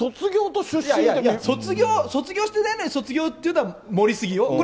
いやいやいや、卒業してないのに卒業っていうのは、盛り過ぎよ。